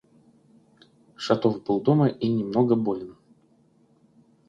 Шатов был дома и немного болен.